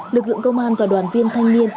lực lượng công an và đoàn viên thanh niên